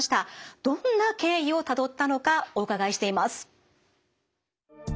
どんな経緯をたどったのかお伺いしています。